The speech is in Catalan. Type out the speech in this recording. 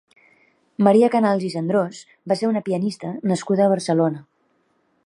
Maria Canals i Cendrós va ser una pianista nascuda a Barcelona.